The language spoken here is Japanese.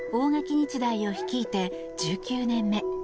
日大を率いて１９年目。